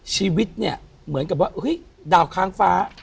ชีวิตเนี่ยเหมือนกับว่าเฮ้ยดาวค้างฟ้า